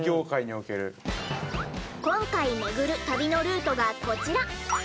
今回巡る旅のルートがこちら。